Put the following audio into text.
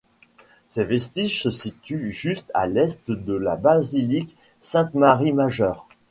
Ses vestiges se situent juste à l'est de la basilique Sainte-Marie-Majeure.